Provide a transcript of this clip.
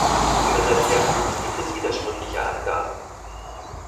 Über seine Herkunft gibt es widersprüchliche Angaben.